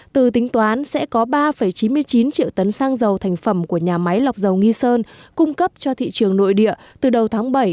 từ tính toán sẽ có ba chín mươi chín triệu tấn xăng dầu thành phẩm của nhà máy lọc dầu nghi sơn cung cấp cho thị trường nội địa từ đầu tháng bảy